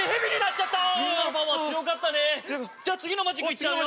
じゃあ次のマジックいっちゃうよ。